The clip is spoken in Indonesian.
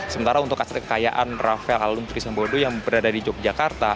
sementara untuk hasil kekayaan rafael aluntri sambodo yang berada di yogyakarta